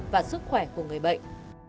và sức khỏe của người bệnh